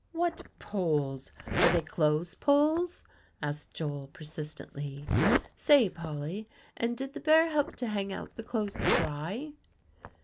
"What Poles? Are they clothes poles?" asked Joel persistently. "Say, Polly; and did the bear help to hang out the clothes to dry?"